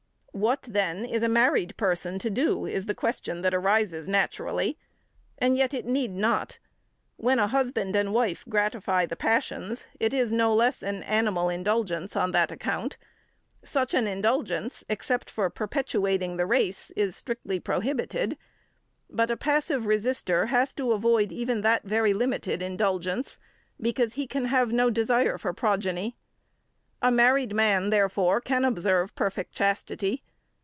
What, then, is a married person to do, is the question that arises naturally; and yet it need not. When a husband and wife gratify the passions, it is no less an animal indulgence on that account. Such an indulgence, except for perpetuating the race, is strictly prohibited. But a passive resister has to avoid even that very limited indulgence, because he can have no desire for progeny. A married man, therefore, can observe perfect chastity.